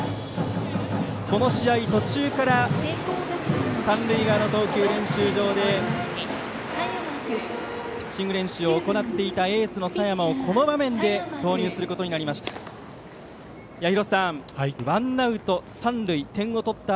この試合、途中から三塁側の投球練習場でピッチング練習を行っていたエースの佐山をこの場面で投入することになりました。